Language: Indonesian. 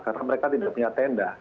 karena mereka tidak punya tenda